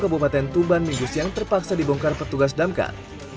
kabupaten tuban minggu siang terpaksa dibongkar petugas damkar